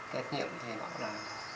kết nhiệm thì bảo là